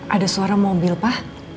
ada suara mobil pa